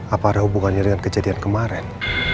apa ada hubungannya dengan kejadian kemarin